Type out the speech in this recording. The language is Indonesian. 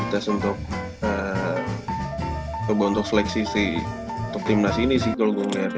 di tes untuk coba untuk seleksi sih untuk timnas ini sih kalo gue ngeliatnya